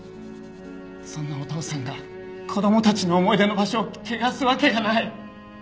そんなお父さんが子供たちの思い出の場所を汚すわけがない。